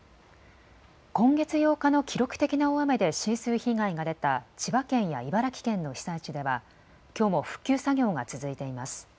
今月８日の記録的な大雨で浸水被害が出た千葉県や茨城県の被災地では、きょうも復旧作業が続いています。